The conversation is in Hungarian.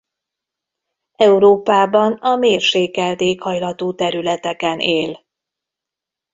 Európában a mérsékelt éghajlatú területeken él.